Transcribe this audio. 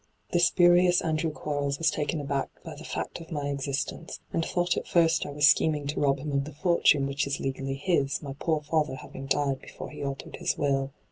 ' The spurious Andrew Quarles was taken aback by the fact of my existence, and thought at first I was scheming to rob him of the fortune which is legally his, my poor father having died before he altered his will.